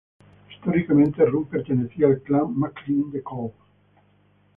Históricamente Rum pertenecía al clan MacLean de Coll.